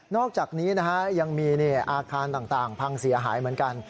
อกจากนี้ยังมีอาคารต่างพังเสียหายเหมือนกัน